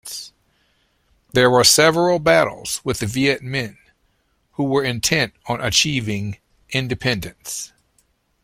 There were several battles with the Viet Minh, who were intent on achieving independence.